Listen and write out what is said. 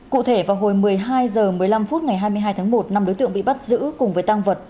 cụ thể vào hồi một mươi hai h một mươi năm phút ngày hai mươi hai tháng một năm đối tượng bị bắt giữ cùng với tăng vật